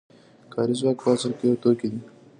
کاري ځواک په اصل کې یو توکی دی